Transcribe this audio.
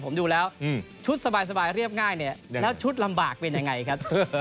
ชอบทัชดาวจริงหรือเปล่า